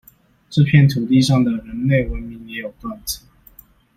這片土地上的人類文明也有「斷層」